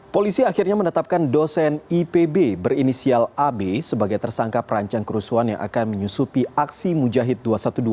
polisi akhirnya menetapkan dosen ipb berinisial ab sebagai tersangka perancang kerusuhan yang akan menyusupi aksi mujahid dua ratus dua belas